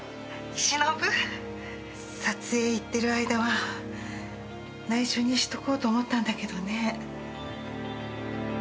☎忍撮影行ってる間は内緒にしとこうと思ったんだけどね。